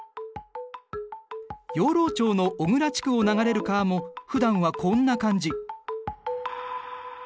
養老町の小倉地区を流れる川も普段はこんな感じ。